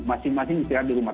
masing masing istirahat di rumah